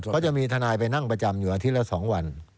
เขาจะมีทนายไปนั่งประจำอยู่อาทิตย์ละ๒วัน